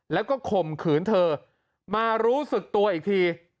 แล้วก็ข่มขืนเธอมารู้สึกตัวอีกที